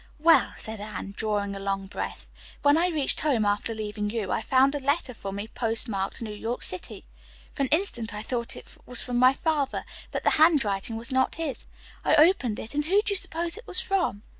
"Well," said Anne, drawing a long breath, "when I reached home after leaving you, I found a letter for me postmarked New York City. For an instant I thought it was from my father, but the hand writing was not his. I opened it, and who do you suppose it was from?"